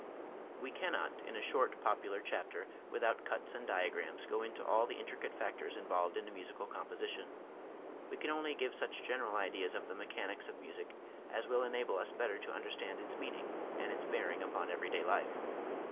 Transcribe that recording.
We cannot in a short popular chapter, with out cuts and diagrams, go into all the intricate factors involved in a musical composition. We can only give such general ideas of the mechanics of music as will enable us better to understand its meaning and its bearing upon everyday life.